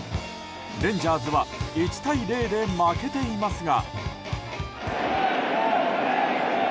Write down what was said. レンジャーズは１対０で負けていますが。